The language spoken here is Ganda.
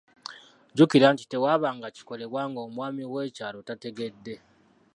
Jjukira nti tewaabanga kikolebwa ng’omwami w’ekyalo tategedde.